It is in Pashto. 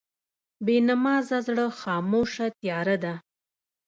بېنمازه زړه خاموشه تیاره ده.